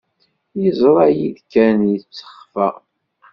Yeẓra-yi-d kan, yettexfa.